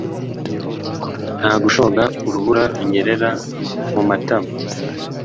nka gushonga urubura runyerera mumatama,